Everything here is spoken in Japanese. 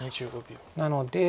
なので。